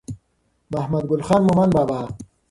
محمد ګل خان مومند بابا